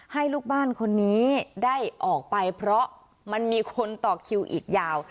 ให้ลูกบ้านคนนี้ได้ออกไปเพราะมันมีคนต่อคิวอีกยาว